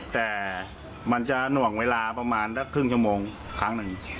แต่มันจะหน่วงเวลาประมาณสักครึ่งชั่วโมงครั้งหนึ่ง